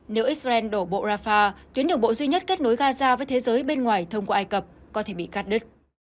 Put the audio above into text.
nếu israel đổ bộ rafah tuyến đường bộ duy nhất kết nối gaza với thế giới bên ngoài thông qua ai cập có thể bị cắt đứt